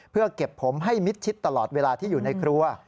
เพื่อเก็บผมให้มิดชิดตลอดเวลาที่อยู่ในครัว